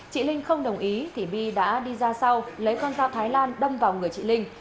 chị linh không đồng ý thì my đã đi ra sau lấy con dao thái lan đâm vào người chị linh